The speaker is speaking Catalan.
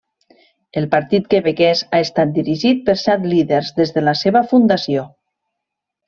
El Partit Quebequès ha estat dirigit per set líders des de la seva fundació.